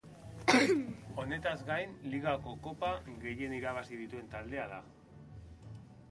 Honetaz gain Ligako Kopa gehien irabazi dituen taldea da.